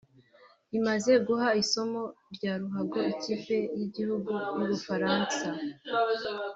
imaze guha isomo rya ruhago ikipe y’igihugu y’Ubufaransa